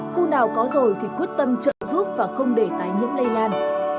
khu nào có rồi thì quyết tâm trợ giúp và không để tái nhiễm lây lan